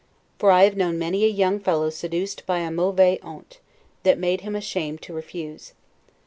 For I have known many a young fellow seduced by a 'mauvaise honte', that made him ashamed to refuse.